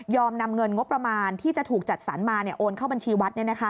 นำเงินงบประมาณที่จะถูกจัดสรรมาโอนเข้าบัญชีวัด